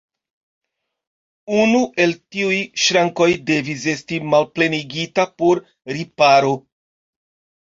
Unu el tiuj ŝrankoj devis esti malplenigita por riparo.